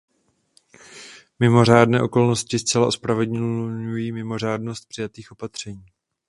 Mimořádné okolnosti zcela ospravedlňují mimořádnost přijatých opatření.